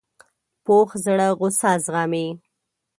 پوخ زړه غصه زغمي